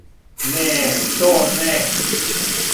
Не, то не.